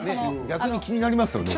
逆に気になりますよね